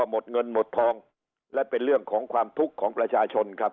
หมดเงินหมดทองและเป็นเรื่องของความทุกข์ของประชาชนครับ